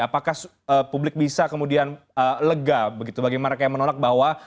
apakah publik bisa kemudian lega begitu bagi mereka yang menolak bahwa